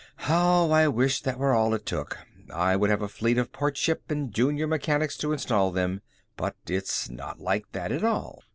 "How I wish that were all it took! I would have a fleet of parts ships and junior mechanics to install them. But its not like that at all.